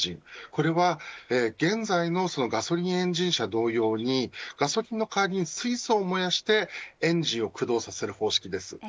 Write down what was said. これは現在のガソリンエンジン車同様にガソリンの代わりに水素を燃やしてエンジンを駆動させる方式です。